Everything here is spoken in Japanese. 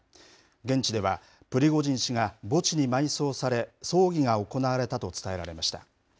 現地では、プリゴジン氏が墓地に埋葬され、葬儀が行われたと伝えられました。